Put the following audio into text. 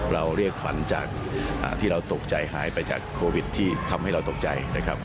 เราเรียกฝันจากที่เราตกใจหายไปจากโควิดที่ทำให้เราตกใจ